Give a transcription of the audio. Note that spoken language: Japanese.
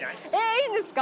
いいんですか？